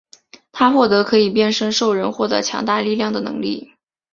他获得可以变身兽人获得强大力量的能力。